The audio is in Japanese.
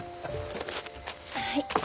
はい。